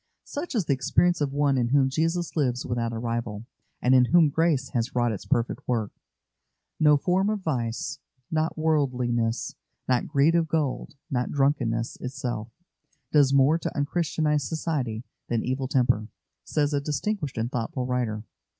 Such is the experience of one in whom Jesus lives without a rival, and in whom grace has wrought its perfect work. "No form of vice, not worldliness, not greed of gold, not drunkenness itself, does more to un Christianise society than evil temper," says a distinguished and thoughtful writer.